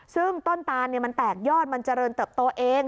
ซึ่งต้นตานมันแตกยอดมันเจริญเติบตัวเอง